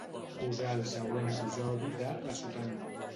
Posar el següent episodi de "La sotana".